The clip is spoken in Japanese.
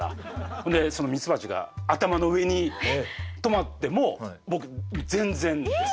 ほんでそのミツバチが頭の上に止まっても僕全然です。